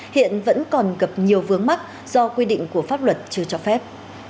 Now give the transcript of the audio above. hiện vẫn còn gặp nhiều vướng mắt do quy định của pháp luật chưa cho phép